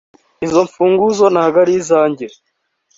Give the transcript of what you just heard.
izo mfunguzo ntabwo ari izanjye